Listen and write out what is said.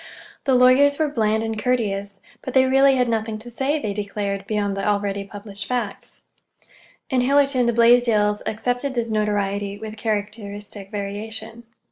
The lawyers were bland and courteous, but they really had nothing to say, they declared, beyond the already published facts. In Hillerton the Blaisdells accepted this notoriety with characteristic variation.